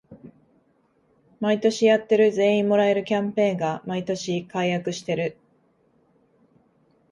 毎年やってる全員もらえるキャンペーンが毎年改悪してる